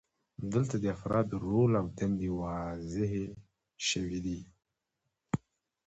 دلته د افرادو رول او دندې واضحې شوې وي.